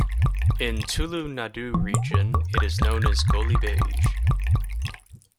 In Tulu Nadu region, it is known as Golibaje.